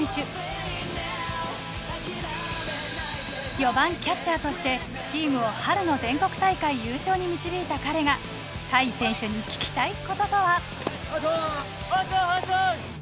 ４番キャッチャーとしてチームを春の全国大会優勝に導いた彼が甲斐選手に聞きたい事とは？